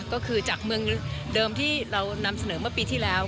ก็คือจากเมืองเดิมที่เรานำเสนอเมื่อปีที่แล้ว